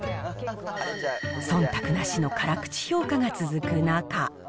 そんたくなしの辛口評価が続く中。